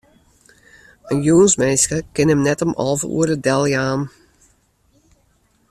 In jûnsminske kin him net om alve oere deljaan.